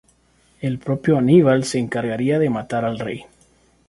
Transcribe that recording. El propio Aníbal se encargaría de matar al rey.